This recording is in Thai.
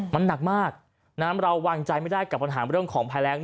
มันหนักมากเราวางใจไม่ได้กับปัญหาเรื่องของภัยแรง